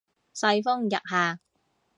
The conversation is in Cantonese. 世風日下